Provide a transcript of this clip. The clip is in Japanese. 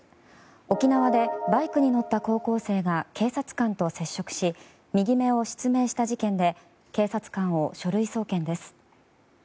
沖縄でバイクに乗った高校生が警察官と接触し右目を失明した事件で警察官を書類送検です。